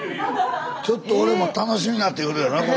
ちょっと俺も楽しみになってくるよなこれ。